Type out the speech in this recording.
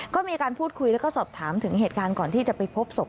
ก็มีการพูดคุยแล้วก็สอบถามถึงเหตุการณ์ก่อนที่จะไปพบศพ